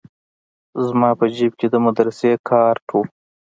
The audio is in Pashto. زما په جيب کښې د مدرسې کارت و.